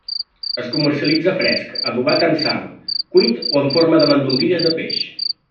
Es comercialitza fresc, adobat amb sal, cuit o en forma de mandonguilles de peix.